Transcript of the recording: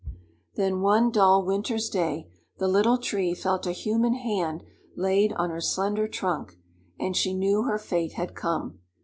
Then one dull winter's day, the Little Tree felt a human hand laid on her slender trunk, and she knew her fate had come.